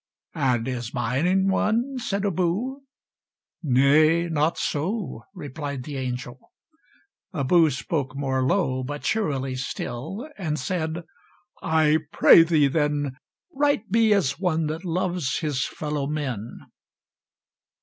"And is mine one?" said Abou. "Nay, not so," Replied the angel. Abou spoke more low, But cheerily still; and said, "I pray thee, then, Write me as one that loves his fellow men."